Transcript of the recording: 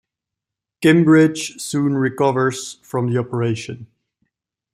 Kimbridge soon recovers from the operation.